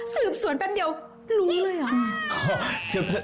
สืบสวนแป๊บเดียวรู้เลยเหรอ